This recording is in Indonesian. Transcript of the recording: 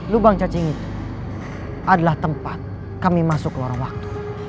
lubang cacing itu adalah tempat kami masuk ke lorong waktu